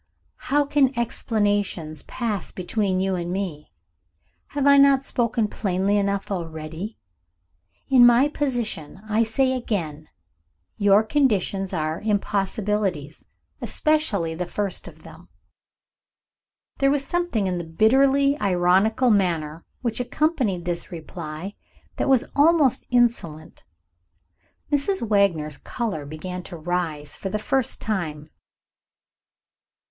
"How can explanations pass between you and me? Have I not spoken plainly enough already? In my position, I say again, your conditions are impossibilities especially the first of them." There was something in the bitterly ironical manner which accompanied this reply that was almost insolent. Mrs. Wagner's color began to rise for the first time.